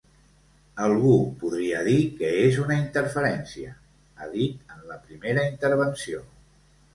Algú podria dir que és una interferència, ha dit en la primera intervenció.